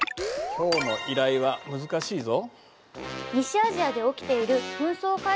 今日の依頼は難しいぞ。